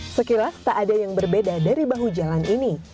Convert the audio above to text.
sekira tak ada yang berbeda dari bahu jalan ini